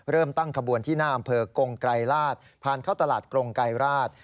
เริ่มตั้งขบวนที่น่าเมืองอ้ำเภอกรงไกรลาศผ่านเข้าตลาดกรงไกรลาศ